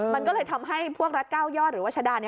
มันก็เลยทำให้พวกรัฐ๙ยอดหรือว่าชะดา